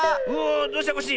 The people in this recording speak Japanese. どうした⁉コッシー。